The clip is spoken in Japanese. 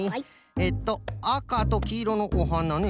えっとあかときいろのおはなね。